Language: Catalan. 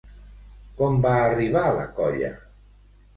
Com va arribar la colla?